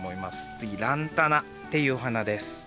つぎランタナっていうお花です。